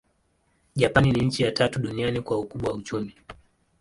Japani ni nchi ya tatu duniani kwa ukubwa wa uchumi.